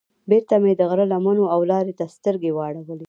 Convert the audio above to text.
بېرته مې د غره لمنو او لارې ته سترګې واړولې.